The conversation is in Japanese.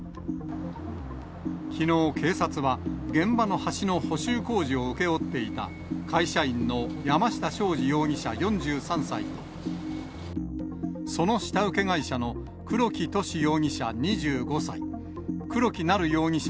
きのう警察は、現場の橋の補修工事を請け負っていた会社員の山下昌司容疑者４３歳と、その下請け会社の黒木寿容疑者２５歳、黒木成容疑者